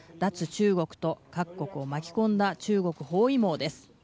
中国と各国を巻き込んだ中国包囲網です。